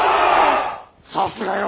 さすがよ！